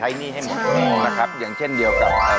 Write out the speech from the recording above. อย่างเช่นเดียวกับ